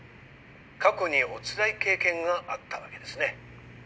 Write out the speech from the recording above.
過去におつらい経験があったわけですね？